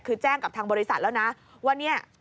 คือแจ้งกับทางบริษัทแล้วนะว่าเนี่ย